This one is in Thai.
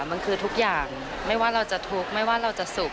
มันคือทุกอย่างไม่ว่าเราจะทุกข์ไม่ว่าเราจะสุข